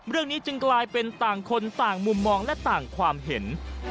เรื่องนี้จึงกลายเป็นต่างคนต่างมุมมองและต่างความเห็น